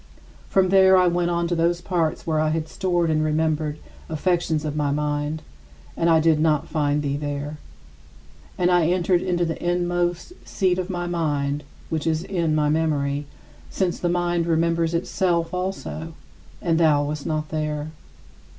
From there I went on to those parts where I had stored the remembered affections of my mind, and I did not find thee there. And I entered into the inmost seat of my mind, which is in my memory, since the mind remembers itself also and thou wast not there.